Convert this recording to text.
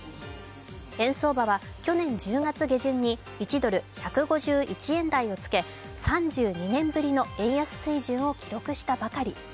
円相場は去年１０月下旬に１ドル＝１５１円台をつけ３２年ぶりの円安水準を記録したばかり。